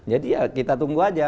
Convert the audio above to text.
jadi ya kita tunggu saja